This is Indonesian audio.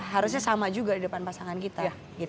harusnya sama juga di depan pasangan kita